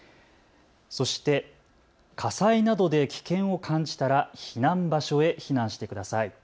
そして火災などで危険を感じたら避難場所へ避難してください。